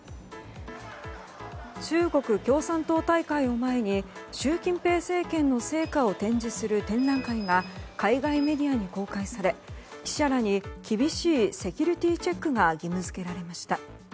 中国共産党大会を前に習近平政権の成果を展示する展覧会が海外メディアに公開され記者らに厳しいセキュリティーチェックが義務付けられました。